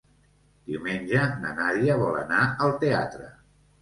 Diumenge na Nàdia vol anar al teatre.